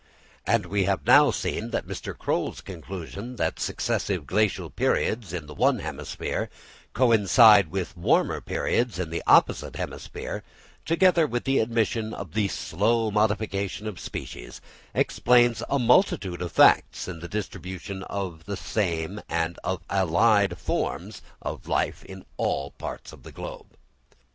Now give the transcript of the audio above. And we have now seen that Mr. Croll's conclusion that successive Glacial periods in the one hemisphere coincide with warmer periods in the opposite hemisphere, together with the admission of the slow modification of species, explains a multitude of facts in the distribution of the same and of the allied forms of life in all parts of the globe.